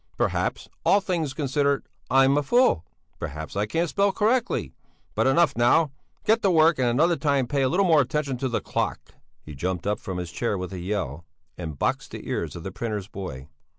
Perhaps, all things considered, I'm a fool? Perhaps I can't spell correctly? But enough, now! Get to work and another time pay a little more attention to the clock." He jumped up from his chair with a yell, and boxed the ears of the printer's boy.